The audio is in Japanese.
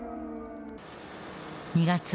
２月。